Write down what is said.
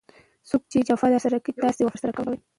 څوک چي جفا درسره کوي؛ تاسي وفا ورسره کوئ!